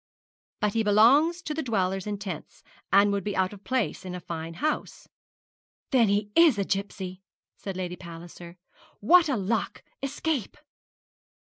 'But he belongs to the dwellers in tents, and would be out of place in a fine house ' 'Then he is a gipsy,' said Lady Palliser. 'What a luck; escape!'